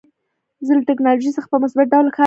زه له ټکنالوژۍ څخه په مثبت ډول کار اخلم.